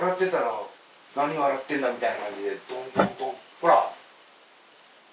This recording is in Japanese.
ほら。